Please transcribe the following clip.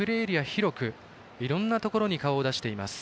広くいろんなところに顔を出しています。